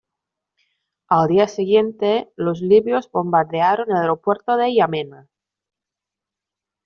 Al día siguiente los libios bombardearon el aeropuerto de Yamena.